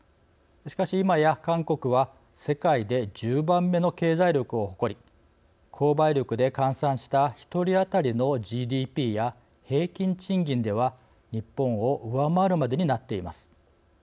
しかし今や韓国は世界で１０番目の経済力を誇り購買力で換算した１人当たりのＧＤＰや平均賃金では日本を上回るまでになっています。